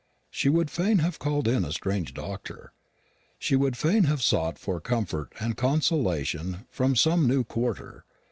She would fain have called in a strange doctor she would fain have sought for comfort and consolation from some new quarter.